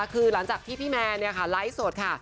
คือหลังจากที่พี่แมนไลฟ์สดค่ะ